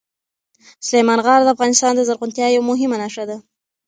سلیمان غر د افغانستان د زرغونتیا یوه مهمه نښه ده.